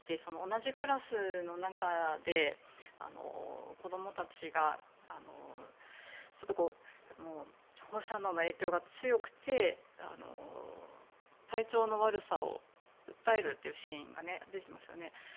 同じクラスの中で子供たちがちょっと、放射能の影響が強くて体調の悪さを訴えるというシーンが出てきましたよね。